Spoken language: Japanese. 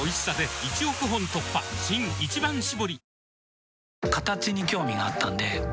新「一番搾り」